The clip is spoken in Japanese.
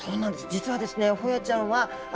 実はですね